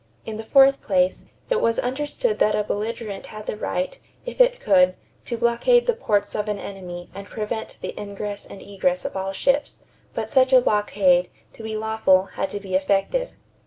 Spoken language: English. In the fourth place, it was understood that a belligerent had the right, if it could, to blockade the ports of an enemy and prevent the ingress and egress of all ships; but such a blockade, to be lawful, had to be effective.